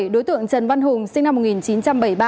đối tượng trần văn hùng sinh năm một nghìn chín trăm bảy mươi ba